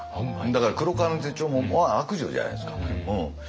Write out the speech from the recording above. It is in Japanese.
だから「黒革の手帖」は悪女じゃないですか。